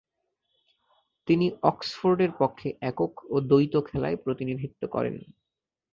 তিনি অক্সফোর্ডের পক্ষে একক ও দ্বৈত খেলায় প্রতিনিধিত্ব করেন।